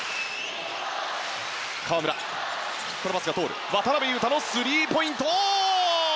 河村、このパスが通る渡邊雄太のスリーポイント！